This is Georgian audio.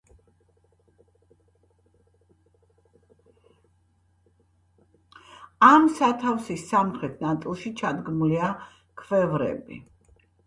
ამ სათავსის სამხრეთ ნაწილში ჩადგმულია ქვევრები.